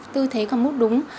tư thế cầm bút đúng